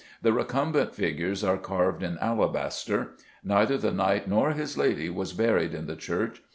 The recumbent figures are carved in alabaster. Neither the knight nor his lady was buried in the church.